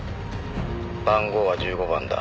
番号は１５番だ。